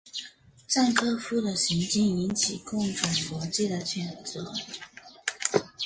赞科夫的行径引起共产国际的谴责。